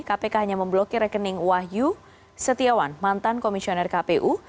kpk hanya memblokir rekening wahyu setiawan mantan komisioner kpu